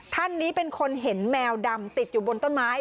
ท่านนี้เป็นคนเห็นแมวดำติดอยู่บนต้นไม้